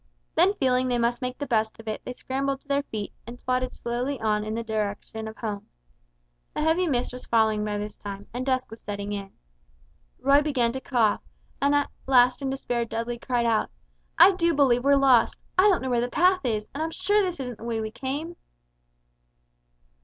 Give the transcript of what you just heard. Then feeling they must make the best of it they scrambled to their feet and plodded slowly on in the direction of home. A heavy mist was falling by this time, and dusk was setting in. Roy began to cough, and at last in despair Dudley cried out, "I do believe we're lost; I don't know where the path is, and I'm sure this isn't the way we came!"